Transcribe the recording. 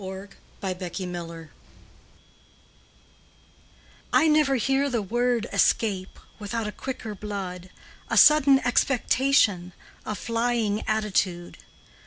Emily Dickinson Escape I NEVER hear the word "escape" Without a quicker blood, A sudden expectation, A flying attitude.